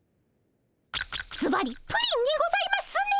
ずばりプリンにございますね。